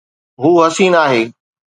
هو حسين آهي